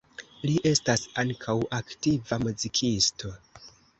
Li estas ankaŭ aktiva muzikisto.